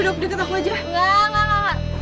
sudah aku mau